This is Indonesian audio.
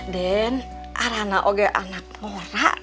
den adrana udah anak ngorak